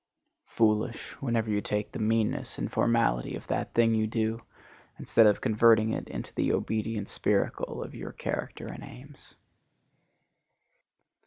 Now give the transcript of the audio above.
Foolish, whenever you take the meanness and formality of that thing you do, instead of converting it into the obedient spiracle of your character and aims.